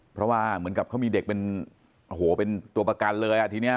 เพราะว่าเหมือนกับเขามีเด็กเป็นโอ้โหเป็นตัวประกันเลยอ่ะทีนี้